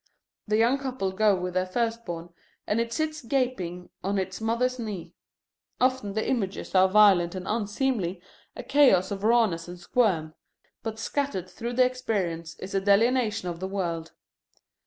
The young couple go with their first born and it sits gaping on its mother's knee. Often the images are violent and unseemly, a chaos of rawness and squirm, but scattered through the experience is a delineation of the world.